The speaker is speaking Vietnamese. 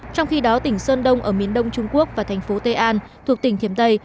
trong khi đó tỉnh sơn đông ở miền đông trung quốc và thành phố tây an thuộc tỉnh thiểm tây